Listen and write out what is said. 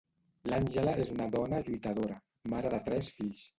L'Àngela és una dona lluitadora, mare de tres fills.